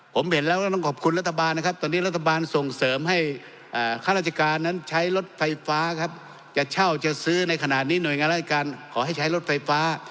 ผมเห็นแล้วก็ต้องขอบคุณรัฐบาลนะครับตอนนี้รัฐบาลส่งเสริมให้ข้าราชการนั้นใช้รถไฟฟ้าครับจะเช่าจะซื้อในขณะนี้หน่วยงานราชการขอให้ใช้รถไฟฟ้า